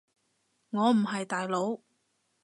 我唔係大佬